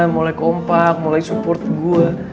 mulai kompak mulai support gue